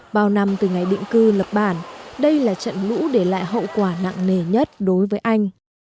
bao năm từ ngày định cư lập bản đây là trận lũ để lại hậu quả nặng nề nhất đối với anh